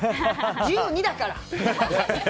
１２だから。